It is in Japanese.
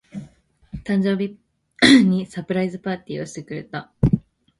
誕生日にサプライズパーティーをしてくれた。